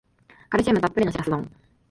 カルシウムたっぷりのシラス丼